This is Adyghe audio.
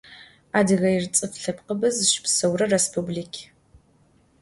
Adıgêir ts'ıf lhepkhıbe zışıpseure rêspublik.